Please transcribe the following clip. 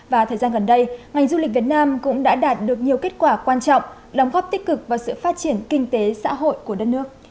và thời gian gần đây ngành du lịch việt nam cũng đã đạt được nhiều kết quả quan trọng đóng góp tích cực vào sự phát triển kinh tế xã hội của đất nước